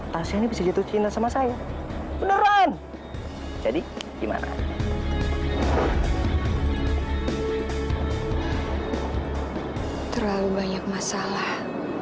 terlalu banyak masalah